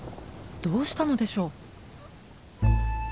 どうしたのでしょう？